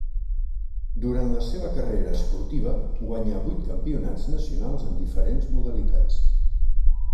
Durant la seva carrera esportiva guanyà vuit campionats nacionals en diferents modalitats.